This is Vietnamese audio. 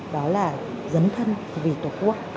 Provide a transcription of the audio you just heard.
đó là dấn thân vì tổ quốc